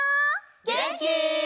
げんき？